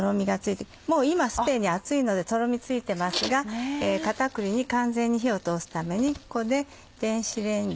もう今すでに熱いのでとろみついてますが片栗に完全に火を通すためにここで電子レンジ。